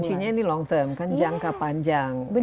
kuncinya ini long term kan jangka panjang